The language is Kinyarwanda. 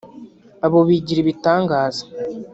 Abo bigira ibitangaza